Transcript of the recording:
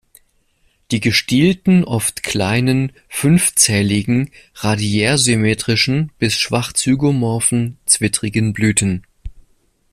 Die gestielten, oft kleinen, fünfzähligen, radiärsymmetrischen bis schwach zygomorphen, zwittrigen Blüten.